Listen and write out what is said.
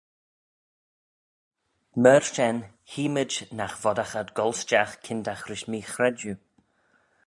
Myr shen hee mayd nagh voddagh ad goll stiagh kyndagh rish mee-chredjue.